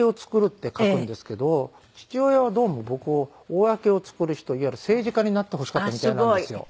父親はどうも僕を公を造る人いわゆる政治家になってほしかったみたいなんですよ。